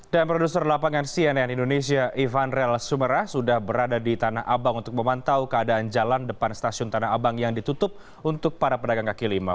dan produser lapangan cnn indonesia ivanrel sumera sudah berada di tanah abang untuk memantau keadaan jalan depan stasiun tanah abang yang ditutup untuk para pedagang kaki lima